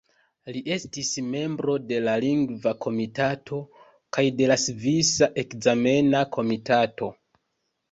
Li estis membro de la Lingva Komitato kaj de la Svisa Ekzamena Komitato.